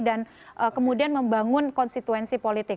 dan kemudian membangun konstituensi politik